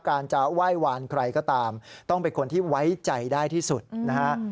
การจะไหว้วานใครก็ตามต้องเป็นคนที่ไว้ใจได้ที่สุดนะฮะ